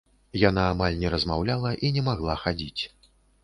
Яна амаль не размаўляла і не магла хадзіць.